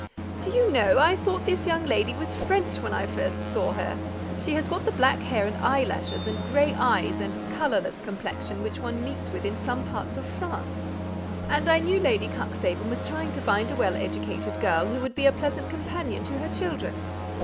"Do you know, I thought this young lady was French when I first saw her? she has got the black hair and eyelashes, and grey eyes, and colourless complexion which one meets with in some parts of France, and I know Lady Cuxhaven was trying to find a well educated girl who would be a pleasant companion to her children."